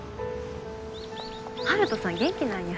悠人さん元気なんや。